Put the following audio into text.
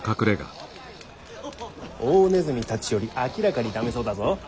大鼠たちより明らかに駄目そうだぞ？